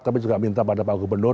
tapi juga minta pada pak gubernur